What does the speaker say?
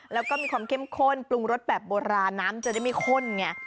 แล้วก็มีความเข้มข้นปรุงรสแบบโบราณน้ำจะได้ไม่ข้นไง